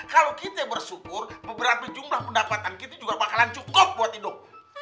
kalau kita bersyukur beberapa jumlah pendapatan kita juga bakalan cukup buat induk